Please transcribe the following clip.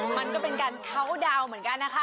มันก็เป็นการเคาน์ดาวน์เหมือนกันนะคะ